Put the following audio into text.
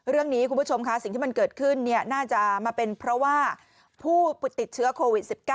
เรื่องนี้คุณผู้ชมค่ะสิ่งที่มันเกิดขึ้นเนี่ยน่าจะมาเป็นเพราะว่าผู้ปฏิเสื้อโควิด๑๙